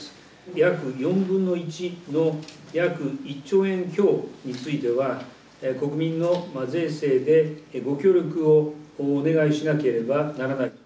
約４分の１の約１兆円強については、国民の税制でご協力をお願いしなければならない。